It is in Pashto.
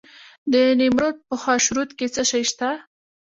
د نیمروز په خاشرود کې څه شی شته؟